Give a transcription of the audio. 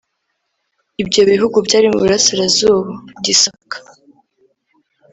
Ibyo bihugu byari mu burasirazuba (Gisaka)